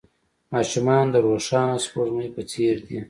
ماشومان د روښانه سپوږمۍ په څېر دي.